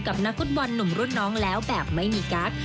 กับนักศึกษ์บอลหนุ่มรุ่นน้องแล้วแบบไม่มีกัก